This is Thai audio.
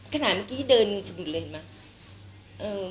ขนาดเมื่อกี้เดินสะดุดเลยเห็นไหม